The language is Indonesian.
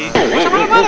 gak usah marah marah